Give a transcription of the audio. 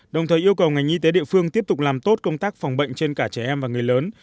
đồng thời yêu cầu ngành y tế địa phương tiếp tục làm tốt công tác phòng bệnh trên cả trẻ em và người lớn